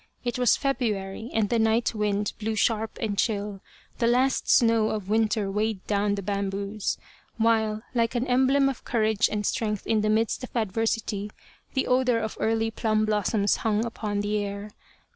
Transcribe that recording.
It was February and the night wind blew sharp and chill the last snow of winter weighed down the bamboos ; while, like an emblem of courage and strength in the midst of adversity, the odour of early plum blossoms hung upon the air.